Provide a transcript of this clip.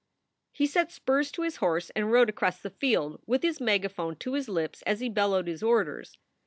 He set spurs to his horse and rode across the field, with his megaphone to his lips as he bellowed his orders.